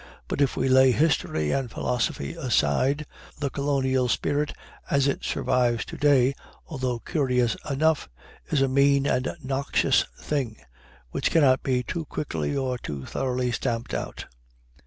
But if we lay history and philosophy aside, the colonial spirit as it survives to day, although curious enough, is a mean and noxious thing, which cannot be too quickly or too thoroughly stamped out.